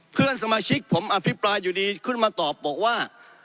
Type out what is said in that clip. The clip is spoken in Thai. เพื่อนสมาชิกผมอภิปรายอยู่ดีขึ้นมาตอบบอกว่า